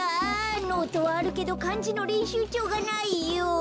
ノートはあるけどかんじのれんしゅうちょうがないよ！